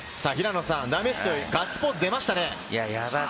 ダメストイ、ガッツポーズが出ましたね。